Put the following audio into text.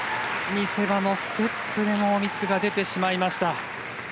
見せ場のステップでもミスが出てしまいました。